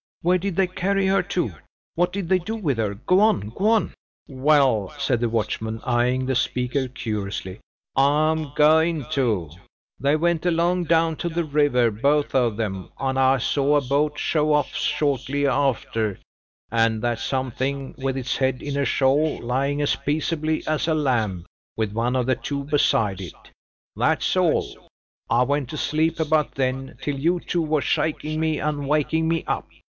Where did they carry her to? What did they do with her? Go on! go on!" "Well," said the watchman, eyeing the speaker curiously, "I'm going to. They went along, down to the river, both of them, and I saw a boat shove off, shortly after, and that something, with its head in a shawl, lying as peaceable as a lamb, with one of the two beside it. That's all I went asleep about then, till you two were shaking me and waking me up."